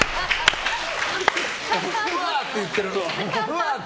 うわ！って言ってるね。